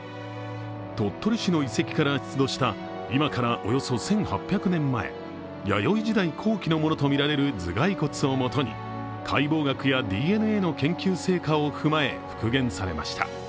鳥取市の遺跡から出土した今からおよそ１８００年前、弥生時代後期のものとみられる頭蓋骨をもとに解剖学やＤＮＡの研究成果を踏まえ復元されました。